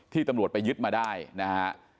ที่ตำรวจไปยึดมาได้นะครับ